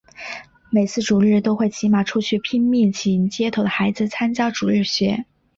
每次主日都会骑马出去拼命请街头的孩子参加主日学。